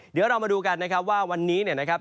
เดี๋ยวเรามาดูกันนะครับว่าวันนี้เนี่ยนะครับ